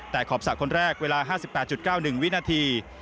แต่ขอบสระคนแรกเวลา๕๘๙๑วินาที